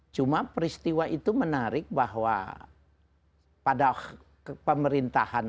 cuma peristiwa itu menarik bahwa pada pemerintahan